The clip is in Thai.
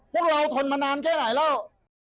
พวกเราทนมานานแค่ไหนแล้ว